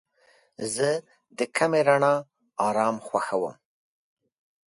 زه د کمې رڼا آرام خوښوم.